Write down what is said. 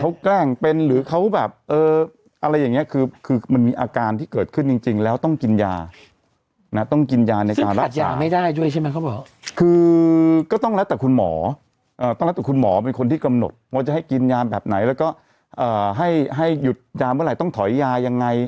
เขาแกล้งเป็นหรือเขาแบบเอออะไรอย่างเงี้ยคือคือมันมีอาการที่เกิดขึ้นจริงจริงแล้วต้องกินยานะต้องกินยาในการรักษายาไม่ได้ด้วยใช่ไหมเขาบอกคือก็ต้องแล้วแต่คุณหมอต้องแล้วแต่คุณหมอเป็นคนที่กำหนดว่าจะให้กินยาแบบไหนแล้วก็ให้ให้หยุดยาเมื่อไหร่ต้องถอยยายังไง